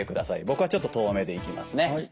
僕はちょっと遠めでいきますね。